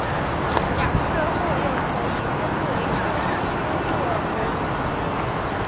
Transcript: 假车祸又可以分为车对车或人对车。